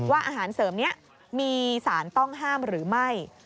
อาหารเสริมนี้มีสารต้องห้ามหรือไม่